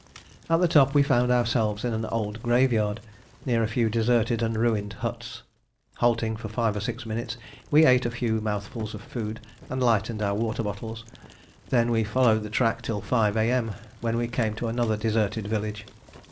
At the top we found ourselves in an old graveyard near a few deserted and ruined huts. Halting for five or six minutes, we ate a few mouthfuls of food and lightened our water bottles. We then followed the track till 5 A.M., when we came to another deserted village.